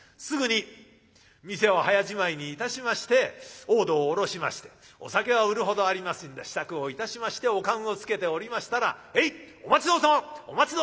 すぐに店を早じまいにいたしまして大戸を下ろしましてお酒は売るほどありますんで支度をいたしましておかんをつけておりましたら「へいお待ち遠さま。